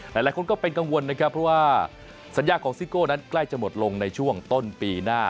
หลายคนก็เป็นกังวลนะครับเพราะว่าสัญญาของซิโก้นั้นใกล้จะหมดลงในช่วงต้นปีหน้า